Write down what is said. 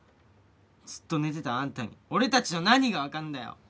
ずっと寝てたあんたに俺たちの何がわかんだよ！